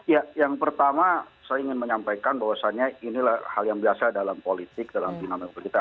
ya yang pertama saya ingin menyampaikan bahwasannya inilah hal yang biasa dalam politik dalam dinamika